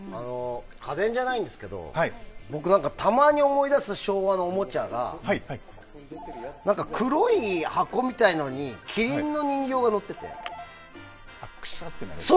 家電じゃないんですけど僕、たまに思い出す昭和のおもちゃが何か黒い箱みたいなのにくしゃってなるやつ。